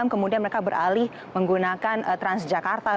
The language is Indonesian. kemudian mereka beralih menggunakan transjakarta